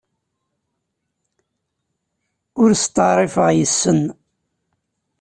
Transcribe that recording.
Ur steɛṛifeɣ yes-sen.